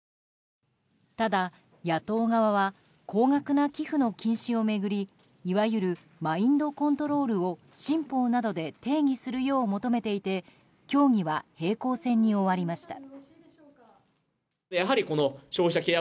ただ、野党側は高額な寄付の禁止を巡りいわゆるマインドコントロールを新法などで定義するよう求めていて協議は平行線に終わりました。